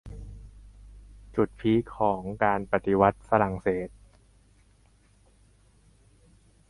จุดพีคของการปฏิวัติฝรั่งเศส